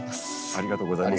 ありがとうございます。